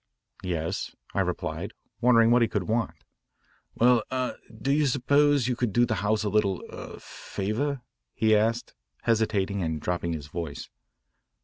"Yes," I replied, wondering what he could want. "Well er do you suppose you could do the house a little er =20 favour?" he asked, hesitating and dropping his voice.